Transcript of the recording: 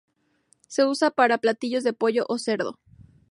Se usa para platillos de pollo o cerdo.